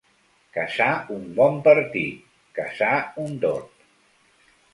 Caçar un bon partit, caçar un dot.